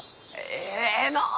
えいのう！